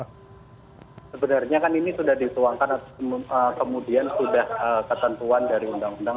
sebenarnya kan ini sudah dituangkan atau kemudian sudah ketentuan dari undang undang